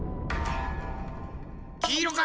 きいろか？